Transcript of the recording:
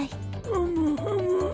ふむふむ。